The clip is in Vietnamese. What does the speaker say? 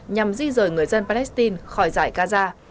nhằm di rời người dân palestine khỏi giải gaza